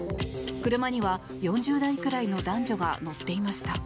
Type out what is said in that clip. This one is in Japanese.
車には４０代くらいの男女が乗っていました。